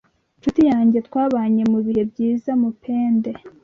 Nshuti yanjye twabanye mu bihe byiza Mupende